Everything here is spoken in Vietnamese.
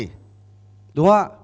đúng không ạ